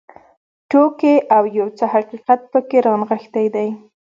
ټوکې او یو څه حقیقت پکې رانغښتی دی.